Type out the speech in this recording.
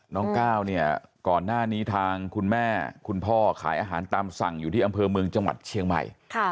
ก้าวเนี่ยก่อนหน้านี้ทางคุณแม่คุณพ่อขายอาหารตามสั่งอยู่ที่อำเภอเมืองจังหวัดเชียงใหม่